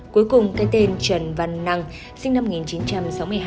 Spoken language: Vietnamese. cuối cùng cái tên trần văn năng sinh năm một nghìn chín trăm sáu mươi hai